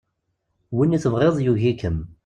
Win i tebɣiḍ yugi-kem.